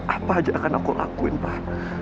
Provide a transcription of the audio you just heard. apa aja akan aku lakuin pak